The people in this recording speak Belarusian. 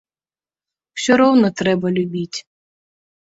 Усё роўна трэба любіць.